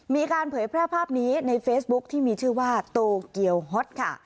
เผยแพร่ภาพนี้ในเฟซบุ๊คที่มีชื่อว่าโตเกียวฮอตค่ะ